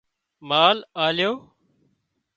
مال آليو